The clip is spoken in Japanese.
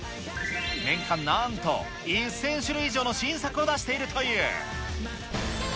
年間なんと１０００種類以上の新作を出しているという。